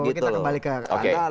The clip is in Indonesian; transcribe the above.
kita kembali ke anda